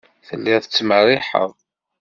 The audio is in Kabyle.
Telliḍ tettmerriḥeḍ.